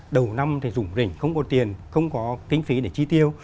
đầu năm thì rủng rỉnh không có tiền không có kinh phí để chi tiêu